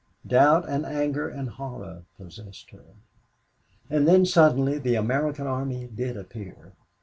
Doubt and anger and horror possessed her. And then suddenly the American army did appear.